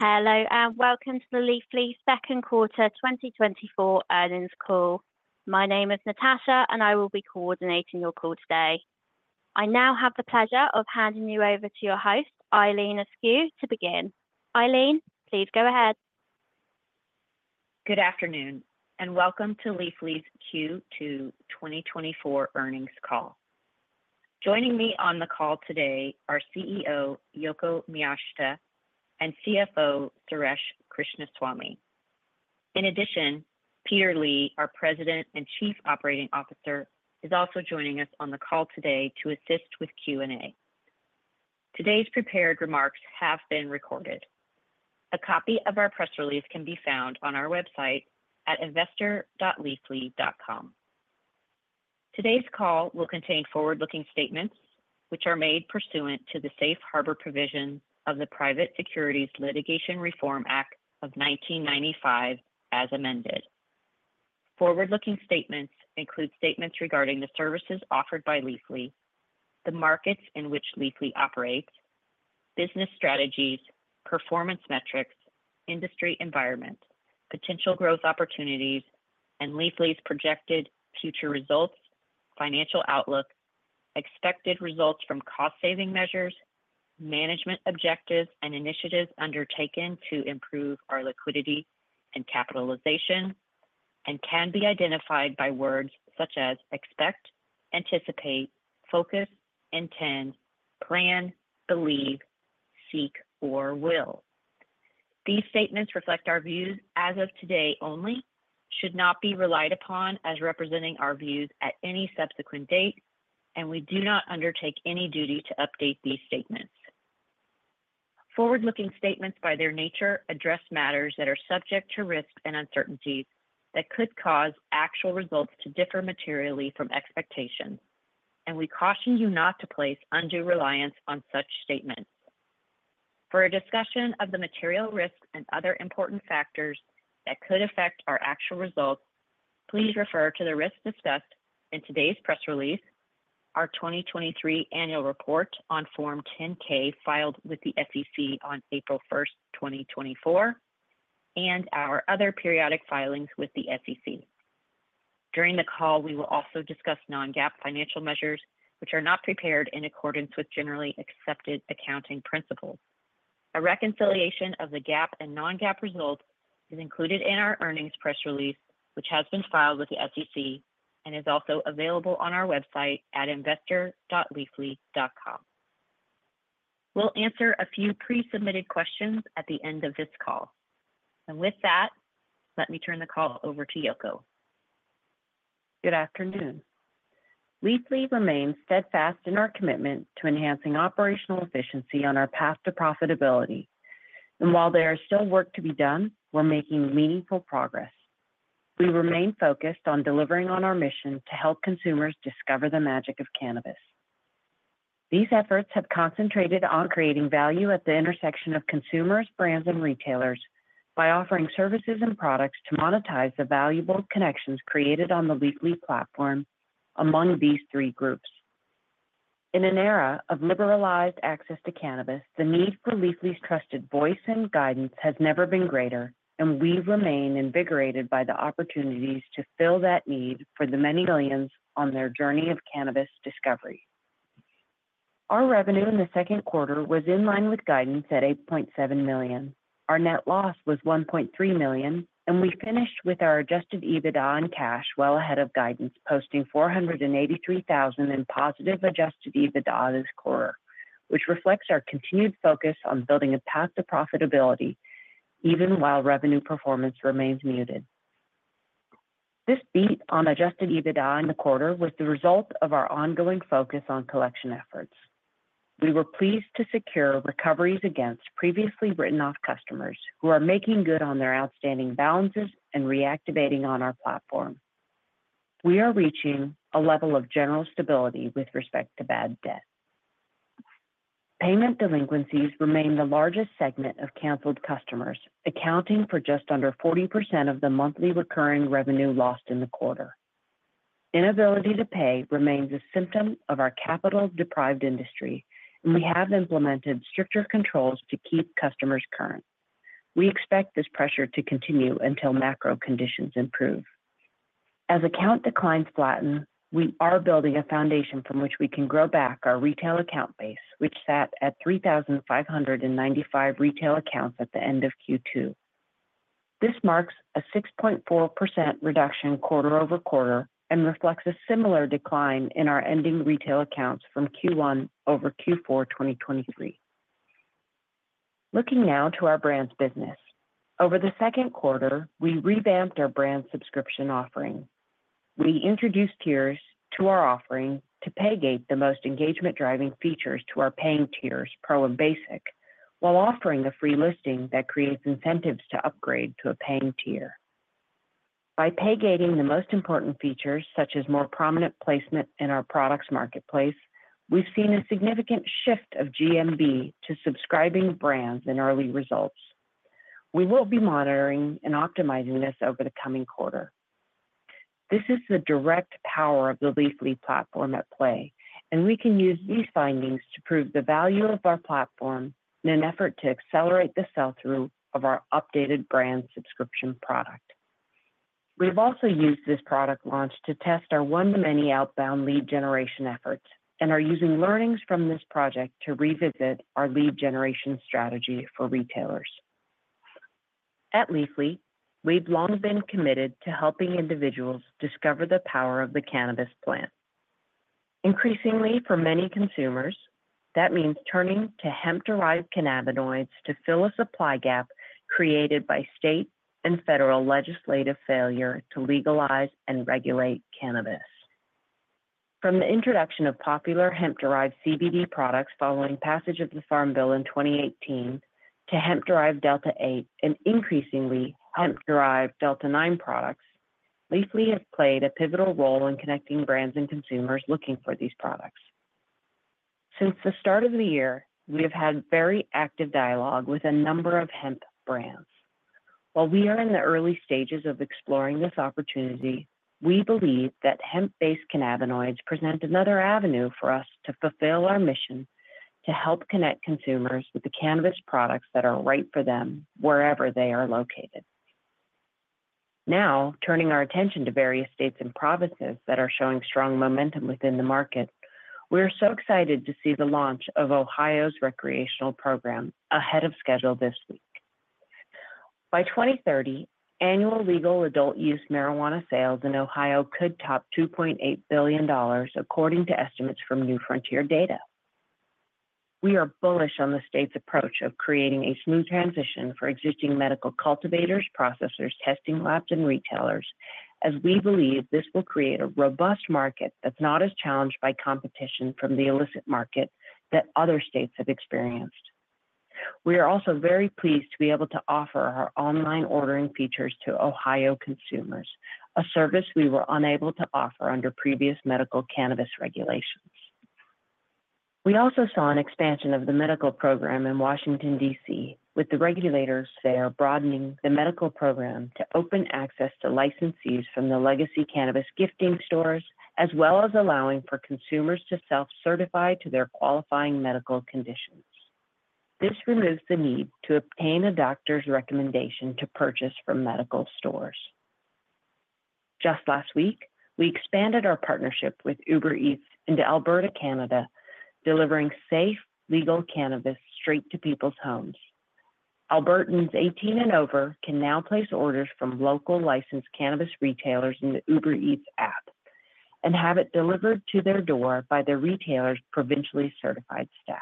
Hello, and welcome to the Leafly Q2 2024 earnings call. My name is Natasha, and I will be coordinating your call today. I now have the pleasure of handing you over to your host, Eileen Askew, to begin. Eileen, please go ahead. Good afternoon, and welcome to Leafly's Q2 2024 earnings call. Joining me on the call today are CEO Yoko Miyashita and CFO Suresh Krishnaswamy. In addition, Peter Lee, our President and Chief Operating Officer, is also joining us on the call today to assist with Q&A. Today's prepared remarks have been recorded. A copy of our press release can be found on our website at investor.leafly.com. Today's call will contain forward-looking statements, which are made pursuant to the Safe Harbor provision of the Private Securities Litigation Reform Act of 1995, as amended. Forward-looking statements include statements regarding the services offered by Leafly, the markets in which Leafly operates, business strategies, performance metrics, industry environment, potential growth opportunities, and Leafly's projected future results, financial outlook, expected results from cost-saving measures, management objectives and initiatives undertaken to improve our liquidity and capitalization, and can be identified by words such as expect, anticipate, focus, intend, plan, believe, seek, or will. These statements reflect our views as of today only, should not be relied upon as representing our views at any subsequent date, and we do not undertake any duty to update these statements. Forward-looking statements, by their nature, address matters that are subject to risks and uncertainties that could cause actual results to differ materially from expectations, and we caution you not to place undue reliance on such statements. For a discussion of the material risks and other important factors that could affect our actual results, please refer to the risks discussed in today's press release, our 2023 annual report on Form 10-K, filed with the SEC on April 1, 2024, and our other periodic filings with the SEC. During the call, we will also discuss non-GAAP financial measures, which are not prepared in accordance with generally accepted accounting principles. A reconciliation of the GAAP and non-GAAP results is included in our earnings press release, which has been filed with the SEC and is also available on our website at investor.leafly.com. We'll answer a few pre-submitted questions at the end of this call. And with that, let me turn the call over to Yoko. Good afternoon. Leafly remains steadfast in our commitment to enhancing operational efficiency on our path to profitability, and while there is still work to be done, we're making meaningful progress. We remain focused on delivering on our mission to help consumers discover the magic of cannabis. These efforts have concentrated on creating value at the intersection of consumers, brands, and retailers by offering services and products to monetize the valuable connections created on the Leafly platform among these three groups. In an era of liberalized access to cannabis, the need for Leafly's trusted voice and guidance has never been greater, and we remain invigorated by the opportunities to fill that need for the many millions on their journey of cannabis discovery. Our revenue in the Q2 was in line with guidance at $8.7 million. Our net loss was $1.3 million, and we finished with our Adjusted EBITDA and cash well ahead of guidance, posting $483,000 in positive Adjusted EBITDA this quarter, which reflects our continued focus on building a path to profitability even while revenue performance remains muted. This beat on Adjusted EBITDA in the quarter was the result of our ongoing focus on collection efforts. We were pleased to secure recoveries against previously written-off customers who are making good on their outstanding balances and reactivating on our platform. We are reaching a level of general stability with respect to bad debt. Payment delinquencies remain the largest segment of canceled customers, accounting for just under 40% of the monthly recurring revenue lost in the quarter. Inability to pay remains a symptom of our capital-deprived industry, and we have implemented stricter controls to keep customers current. We expect this pressure to continue until macro conditions improve. As account declines flatten, we are building a foundation from which we can grow back our retail account base, which sat at 3,595 retail accounts at the end of Q2. This marks a 6.4% reduction quarter-over-quarter and reflects a similar decline in our ending retail accounts from Q1 over Q4 2023. Looking now to our brands business. Over the Q2, we revamped our brand subscription offering. We introduced tiers to our offering to paygate the most engagement-driving features to our paying tiers, Pro and Basic, while offering a free listing that creates incentives to upgrade to a paying tier. By pay gating the most important features, such as more prominent placement in our products marketplace, we've seen a significant shift of GMV to subscribing brands in early results. We will be monitoring and optimizing this over the coming quarter. ... This is the direct power of the Leafly platform at play, and we can use these findings to prove the value of our platform in an effort to accelerate the sell-through of our updated brand subscription product. We've also used this product launch to test our one-to-many outbound lead generation efforts, and are using learnings from this project to revisit our lead generation strategy for retailers. At Leafly, we've long been committed to helping individuals discover the power of the cannabis plant. Increasingly, for many consumers, that means turning to hemp-derived cannabinoids to fill a supply gap created by state and federal legislative failure to legalize and regulate cannabis. From the introduction of popular hemp-derived CBD products following passage of the Farm Bill in 2018, to hemp-derived Delta-8, and increasingly, hemp-derived Delta-9 products, Leafly has played a pivotal role in connecting brands and consumers looking for these products. Since the start of the year, we have had very active dialogue with a number of hemp brands. While we are in the early stages of exploring this opportunity, we believe that hemp-based cannabinoids present another avenue for us to fulfill our mission to help connect consumers with the cannabis products that are right for them, wherever they are located. Now, turning our attention to various states and provinces that are showing strong momentum within the market, we are so excited to see the launch of Ohio's recreational program ahead of schedule this week. By 2030, annual legal adult use marijuana sales in Ohio could top $2.8 billion, according to estimates from New Frontier Data. We are bullish on the state's approach of creating a smooth transition for existing medical cultivators, processors, testing labs, and retailers, as we believe this will create a robust market that's not as challenged by competition from the illicit market that other states have experienced. We are also very pleased to be able to offer our online ordering features to Ohio consumers, a service we were unable to offer under previous medical cannabis regulations. We also saw an expansion of the medical program in Washington, D.C., with the regulators there broadening the medical program to open access to licensees from the legacy cannabis gifting stores, as well as allowing for consumers to self-certify to their qualifying medical conditions. This removes the need to obtain a doctor's recommendation to purchase from medical stores. Just last week, we expanded our partnership with Uber Eats into Alberta, Canada, delivering safe, legal cannabis straight to people's homes. Albertans 18 and over can now place orders from local licensed cannabis retailers in the Uber Eats app and have it delivered to their door by their retailer's provincially certified staff.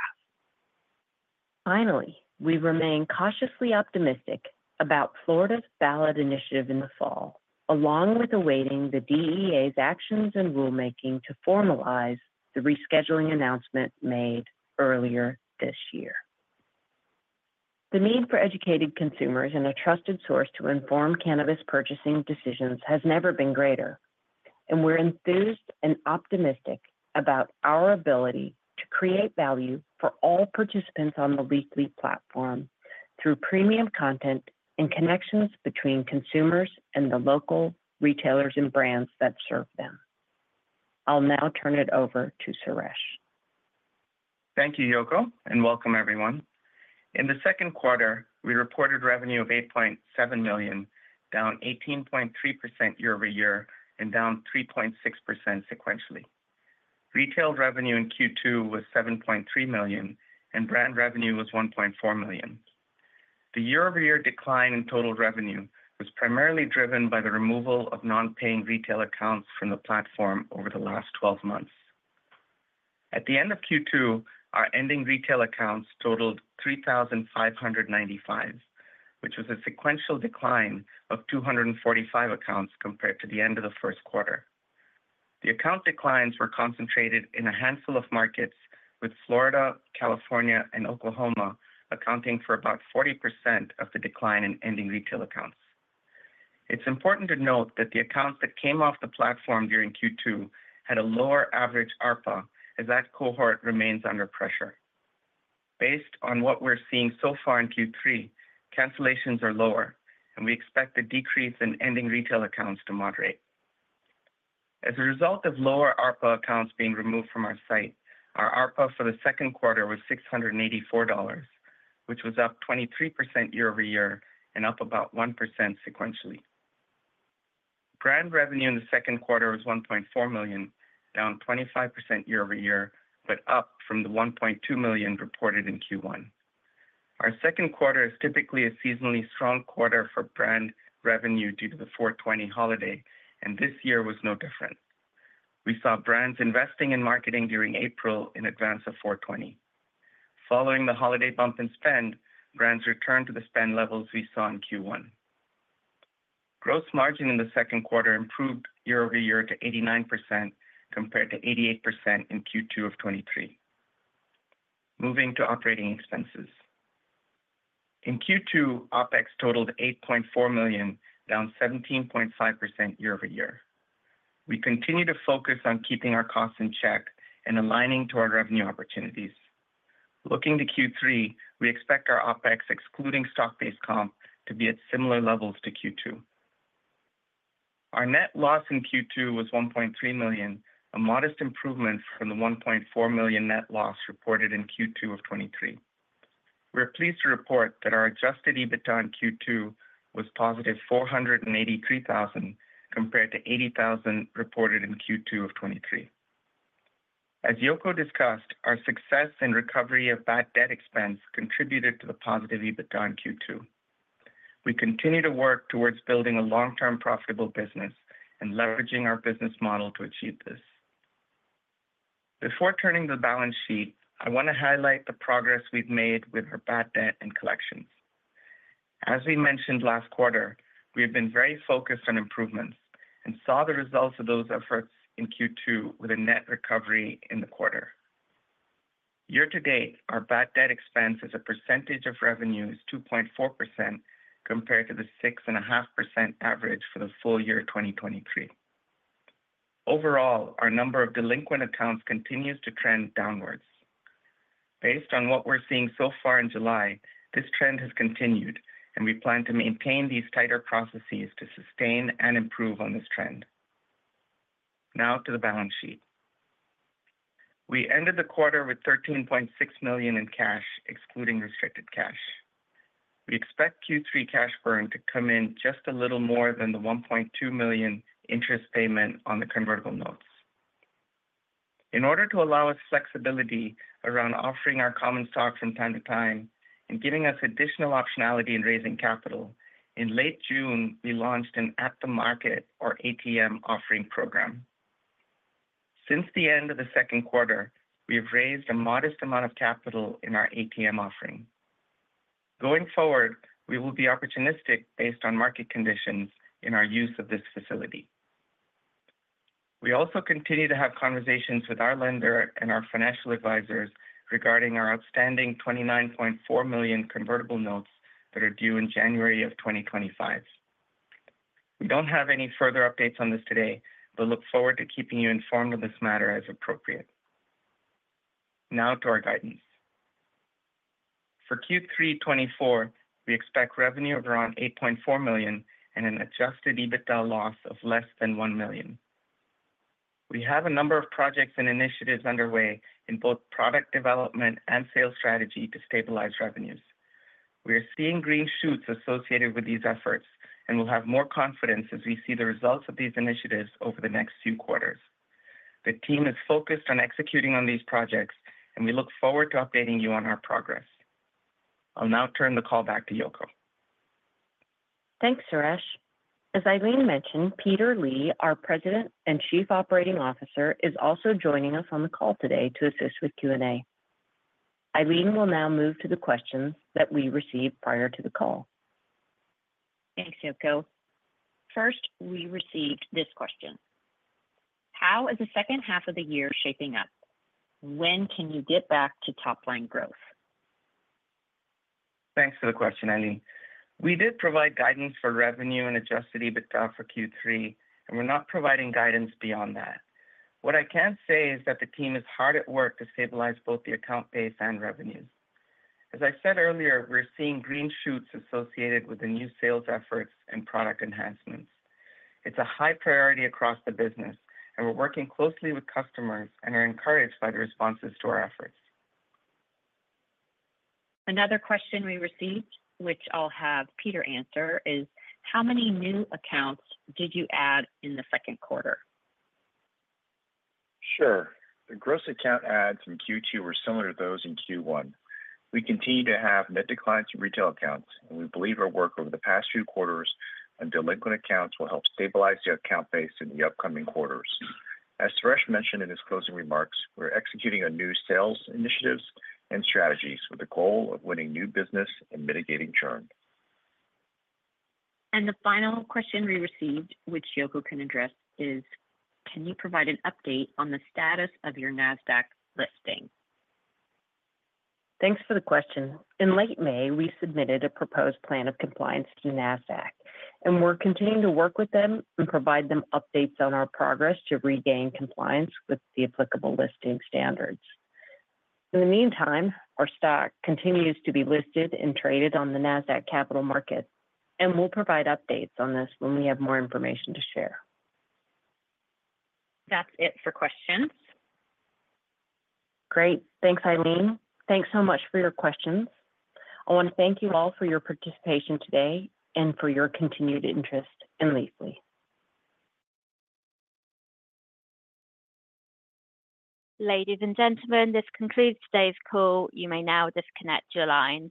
Finally, we remain cautiously optimistic about Florida's ballot initiative in the fall, along with awaiting the DEA's actions and rulemaking to formalize the rescheduling announcement made earlier this year. The need for educated consumers and a trusted source to inform cannabis purchasing decisions has never been greater, and we're enthused and optimistic about our ability to create value for all participants on the Leafly platform through premium content and connections between consumers and the local retailers and brands that serve them. I'll now turn it over to Suresh. Thank you, Yoko, and welcome everyone. In the Q2, we reported revenue of $8.7 million, down 18.3% year-over-year, and down 3.6% sequentially. Retail revenue in Q2 was $7.3 million, and brand revenue was $1.4 million. The year-over-year decline in total revenue was primarily driven by the removal of non-paying retail accounts from the platform over the last 12 months. At the end of Q2, our ending retail accounts totaled 3,595, which was a sequential decline of 245 accounts compared to the end of the Q2. The account declines were concentrated in a handful of markets, with Florida, California, and Oklahoma accounting for about 40% of the decline in ending retail accounts. It's important to note that the accounts that came off the platform during Q2 had a lower average ARPA, as that cohort remains under pressure. Based on what we're seeing so far in Q3, cancellations are lower, and we expect the decrease in ending retail accounts to moderate. As a result of lower ARPA accounts being removed from our site, our ARPA for the Q2 was $684, which was up 23% year-over-year and up about 1% sequentially. Brand revenue in the Q2 was $1.4 million, down 25% year-over-year, but up from the $1.2 million reported in Q1. Our Q2 is typically a seasonally strong quarter for brand revenue due to the 420 holiday, and this year was no different. We saw brands investing in marketing during April in advance of 420. Following the holiday bump in spend, brands returned to the spend levels we saw in Q1. Gross margin in the Q2 improved year over year to 89%, compared to 88% in Q2 of 2023. Moving to operating expenses. In Q2, OpEx totaled $8.4 million, down 17.5% year over year. We continue to focus on keeping our costs in check and aligning to our revenue opportunities... Looking to Q3, we expect our OpEx, excluding stock-based comp, to be at similar levels to Q2. Our net loss in Q2 was $1.3 million, a modest improvement from the $1.4 million net loss reported in Q2 of 2023. We're pleased to report that our Adjusted EBITDA in Q2 was positive $483,000, compared to $80,000 reported in Q2 of 2023. As Yoko discussed, our success and recovery of bad debt expense contributed to the positive EBITDA in Q2. We continue to work towards building a long-term profitable business and leveraging our business model to achieve this. Before turning to the balance sheet, I wanna highlight the progress we've made with our bad debt and collections. As we mentioned last quarter, we have been very focused on improvements and saw the results of those efforts in Q2 with a net recovery in the quarter. Year to date, our bad debt expense as a percentage of revenue is 2.4%, compared to the 6.5% average for the full year, 2023. Overall, our number of delinquent accounts continues to trend downwards. Based on what we're seeing so far in July, this trend has continued, and we plan to maintain these tighter processes to sustain and improve on this trend. Now to the balance sheet. We ended the quarter with $13.6 million in cash, excluding restricted cash. We expect Q3 cash burn to come in just a little more than the $1.2 million interest payment on the convertible notes. In order to allow us flexibility around offering our common stocks from time to time and giving us additional optionality in raising capital, in late June, we launched an at-the-market, or ATM, offering program. Since the end of the Q2, we have raised a modest amount of capital in our ATM offering. Going forward, we will be opportunistic based on market conditions in our use of this facility. We also continue to have conversations with our lender and our financial advisors regarding our outstanding $29.4 million convertible notes that are due in January 2025. We don't have any further updates on this today, but look forward to keeping you informed of this matter as appropriate. Now to our guidance. For Q3 2024, we expect revenue of around $8.4 million and an Adjusted EBITDA loss of less than $1 million. We have a number of projects and initiatives underway in both product development and sales strategy to stabilize revenues. We are seeing green shoots associated with these efforts, and we'll have more confidence as we see the results of these initiatives over the next few quarters. The team is focused on executing on these projects, and we look forward to updating you on our progress. I'll now turn the call back to Yoko. Thanks, Suresh. As Eileen mentioned, Peter Lee, our President and Chief Operating Officer, is also joining us on the call today to assist with Q&A. Eileen will now move to the questions that we received prior to the call. Thanks, Yoko. First, we received this question: How is the second half of the year shaping up? When can you get back to top-line growth? Thanks for the question, Eileen. We did provide guidance for revenue and Adjusted EBITDA for Q3, and we're not providing guidance beyond that. What I can say is that the team is hard at work to stabilize both the account base and revenues. As I said earlier, we're seeing green shoots associated with the new sales efforts and product enhancements. It's a high priority across the business, and we're working closely with customers and are encouraged by the responses to our efforts. Another question we received, which I'll have Peter answer, is: How many new accounts did you add in the Q2? Sure. The gross account adds in Q2 were similar to those in Q1. We continue to have net declines in retail accounts, and we believe our work over the past few quarters on delinquent accounts will help stabilize the account base in the upcoming quarters. As Suresh mentioned in his closing remarks, we're executing on new sales initiatives and strategies with the goal of winning new business and mitigating churn. The final question we received, which Yoko can address, is: Can you provide an update on the status of your Nasdaq listing? Thanks for the question. In late May, we submitted a proposed plan of compliance to Nasdaq, and we're continuing to work with them and provide them updates on our progress to regain compliance with the applicable listing standards. In the meantime, our stock continues to be listed and traded on the Nasdaq Capital Market, and we'll provide updates on this when we have more information to share. That's it for questions. Great. Thanks, Eileen. Thanks so much for your questions. I want to thank you all for your participation today and for your continued interest in Leafly. Ladies and gentlemen, this concludes today's call. You may now disconnect your lines.